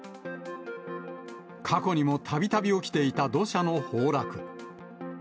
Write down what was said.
過去にもたびたび起きていた土砂の崩落。